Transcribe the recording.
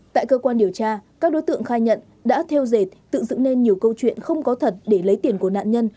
tại cơ quan điều tra các đối tượng khai nhận đã theo dệt tự dựng nên nhiều câu chuyện không có thật để lấy tiền của nạn nhân